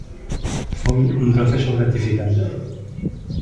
Foi un proceso gratificante.